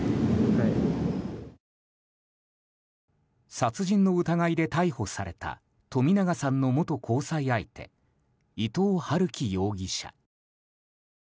殺人の疑いで逮捕された冨永さんの元交際相手伊藤龍稀容疑者。